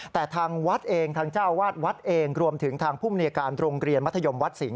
แต่ทางวัดเองทางเจ้าวาดวัดเองรวมถึงทางภูมิในการโรงเรียนมัธยมวัดสิงห